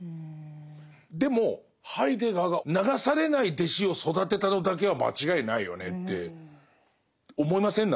でもハイデガーが流されない弟子を育てたのだけは間違いないよねって思いません？